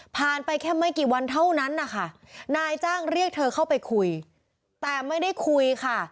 ไปแค่ไม่กี่วันเท่านั้นนะคะนายจ้างเรียกเธอเข้าไปคุยแต่ไม่ได้คุยค่ะ